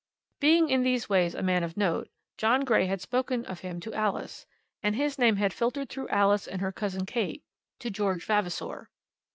Being in these ways a man of note, John Grey had spoken of him to Alice, and his name had filtered through Alice and her cousin Kate to George Vavasor.